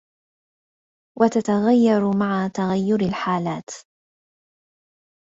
وَتَتَغَيَّرُ مَعَ تَغَيُّرِ الْحَالَاتِ